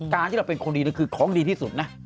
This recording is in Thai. การที่เราเป็นคนดีคือของดีที่สุดนะ